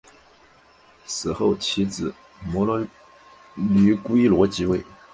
死后其子摩醯逻矩罗即位。